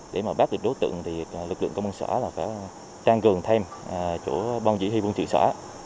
để bắt được đối tượng lực lượng công an xã phải trang cường thêm chỗ bong dĩ huy quân thị xã